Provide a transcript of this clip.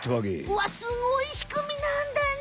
うわすごいしくみなんだね。